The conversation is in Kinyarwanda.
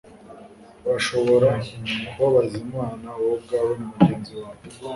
Urashobora kubabaza Imana wowe ubwawe na mugenzi wawe